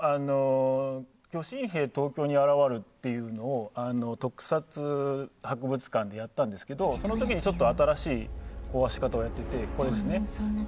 「巨神兵東京に現わる」というのを特撮博物館でやったんですけどその時に新しい壊し方をやってて。